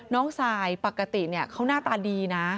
ทรายปกติเขาหน้าตาดีนะ